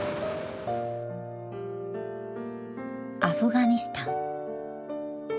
アフガニスタン。